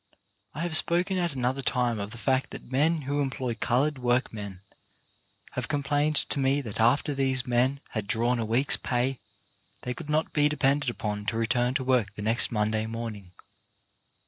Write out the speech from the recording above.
I have spoken at another time of the fact that men who employ coloured workmen have com plained to me that after these men had drawn a week's pay, they could not be depended upon to return to work the next Monday morning.